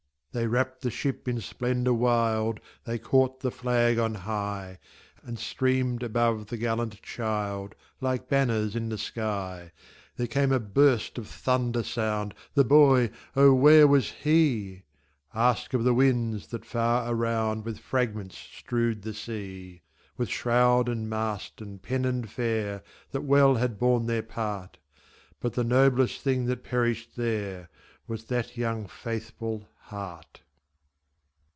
They wrapt the ship in splendour wild, They caught the flag on high, And streamed above the gallant child Like banners in the sky. Then came a burst of thunder sound The boy oh! where was he? Ask of the winds that far around With fragments strew the sea; With mast, and helm, and pennon fair. That well had borne their part But the noblest thing that perished there Was that young, faithful heart.